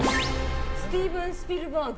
スティーブン・スピルバーグ。